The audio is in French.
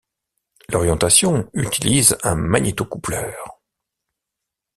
L'orientation utilise un magnéto-coupleur.